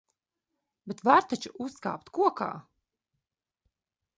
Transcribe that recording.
Bet var taču uzkāpt kokā!